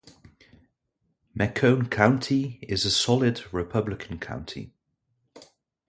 McCone county is a solid Republican county.